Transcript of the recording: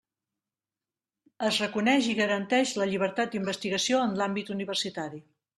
Es reconeix i garantix la llibertat d'investigació en l'àmbit universitari.